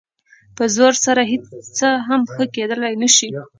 په زور سره هېڅ څه هم ښه کېدلی نه شي.